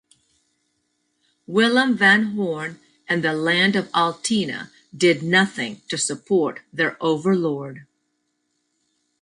Willem van Horne and the Land of Altena did nothing to support their overlord.